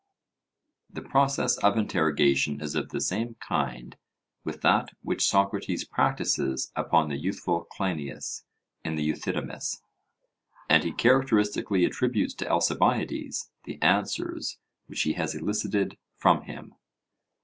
The process of interrogation is of the same kind with that which Socrates practises upon the youthful Cleinias in the Euthydemus; and he characteristically attributes to Alcibiades the answers which he has elicited from him.